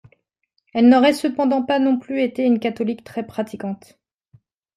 Elle n'aurait cependant pas non plus été une catholique très pratiquante.